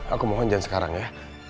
aku mau honjan sekarang ya